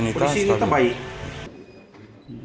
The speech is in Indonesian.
untuk kondisi ini terbaik